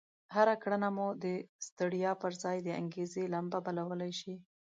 هره کړنه مو د ستړيا پر ځای د انګېزې لمبه بلولای شي.